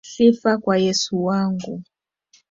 Sifa kwa Yesu wangu